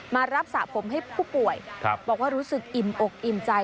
มารับสระผมให้ผู้ป่วยบอกว่ารู้สึกอิ่มอกอิ่มใจ